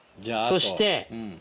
そして。